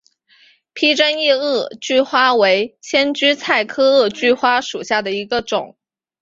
披针叶萼距花为千屈菜科萼距花属下的一个种。